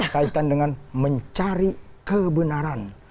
kaitan dengan mencari kebenaran